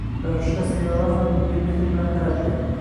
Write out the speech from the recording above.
Boshqa sayyoralar ham unga mehr bilan qarabdi